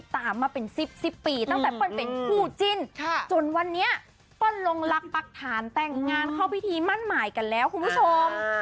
ตั้งแต่เปิลเป็นผู้จินจนวันนี้เปิลลงรักปรักฐานแต่งงานเข้าพิธีมั่นหมายกันแล้วคุณผู้ชม